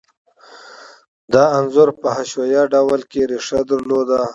دا انځور په حشویه ډلو کې ریښه درلوده.